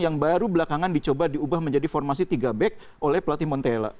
yang baru belakangan dicoba diubah menjadi formasi tiga back oleh pelatih montella